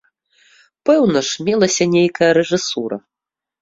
Пэўна ж мелася нейкая рэжысура.